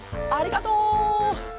ありがとう！